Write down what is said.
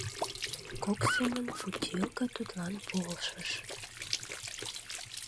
Кок семын путилка тудлан «полшыш».